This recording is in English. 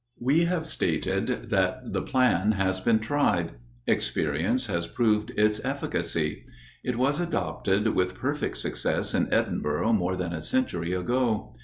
We have stated, that the plan has been tried. Experience has proved its efficacy. It was adopted with perfect success in Edinburgh more than a century ago.